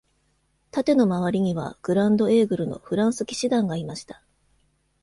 盾の周りには、グランドエーグルのフランス騎士団がいました。